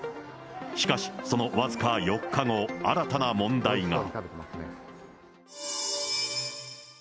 しかし、その僅か４日後、新たな問題が。